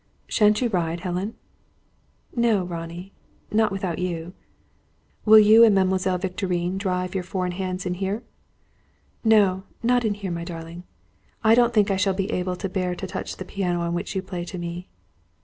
"Shan't you ride, Helen?" "No, Ronnie; not without you." "Will you and Mademoiselle Victorine drive your four in hands in here?" "No, not in here, darling. I don't think I shall be able to bear to touch the piano on which you play to me."